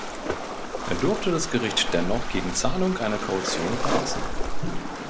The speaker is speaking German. Er durfte das Gericht dennoch gegen Zahlung einer Kaution verlassen.